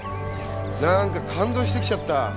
何か感動してきちゃった。